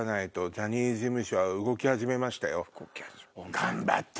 ジャニーズ事務所は動き始めましたよ。